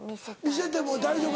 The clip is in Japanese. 見せても大丈夫なの？